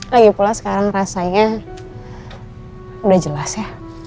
lagipula sekarang rasanya udah jelas ya